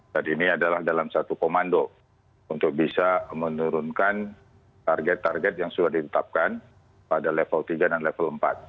jadi ini adalah dalam satu komando untuk bisa menurunkan target target yang sudah ditetapkan pada level tiga dan level empat